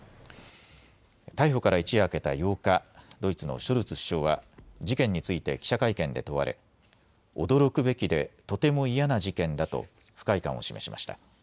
逮捕から一夜明けた８日、ドイツのショルツ首相は事件について記者会見で問われ驚くべきでとても嫌な事件だと不快感を示しました。